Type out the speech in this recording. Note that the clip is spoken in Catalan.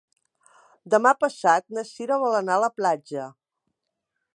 Demà passat na Sira vol anar a la platja.